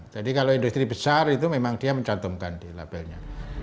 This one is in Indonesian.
jadi kalau industri besar itu memang dia mencantumkan di labelnya